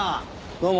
どうも。